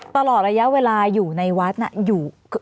ตลอดระยะเวลาอยู่ในวัดน่ะอยู่